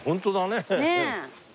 ねえ。